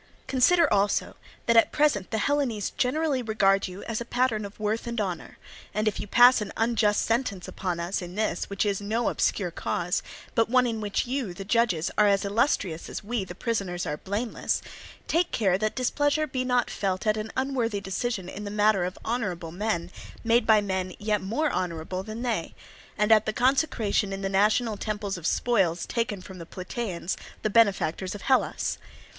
"Consider also that at present the Hellenes generally regard you as a pattern of worth and honour; and if you pass an unjust sentence upon us in this which is no obscure cause, but one in which you, the judges, are as illustrious as we, the prisoners, are blameless, take care that displeasure be not felt at an unworthy decision in the matter of honourable men made by men yet more honourable than they, and at the consecration in the national temples of spoils taken from the Plataeans, the benefactors of Hellas.